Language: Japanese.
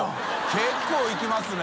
結構いきますね。